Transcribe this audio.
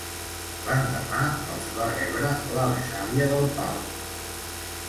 L'endemà els va rebre la besàvia del Pau.